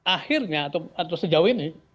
akhirnya atau sejauh ini